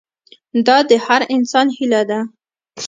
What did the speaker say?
دا د هر انسان هیله ده.